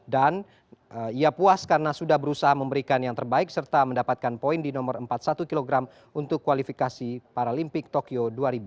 dan ia puas karena sudah berusaha memberikan yang terbaik serta mendapatkan poin di nomor empat puluh satu kg untuk kualifikasi paralimpik tokyo dua ribu dua puluh